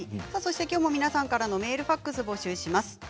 きょうも皆さんからメール、ファックスを募集します。